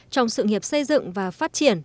trong sự nghiệp xây dựng và phát triển